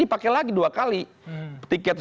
pakai lagi dua kali tiketnya